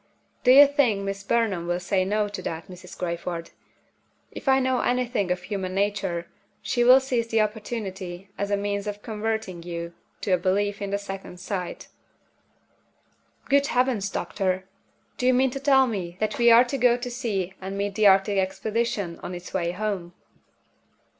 Do you think Miss Burnham will say No to that, Mrs. Crayford? If I know anything of human nature, she will seize the opportunity as a means of converting you to a belief in the Second Sight." "Good Heavens, doctor! do you mean to tell me that we are to go to sea and meet the Arctic Expedition on its way home?"